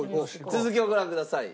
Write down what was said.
続きをご覧ください。